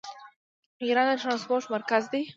ایران د ټرانسپورټ مرکز دی.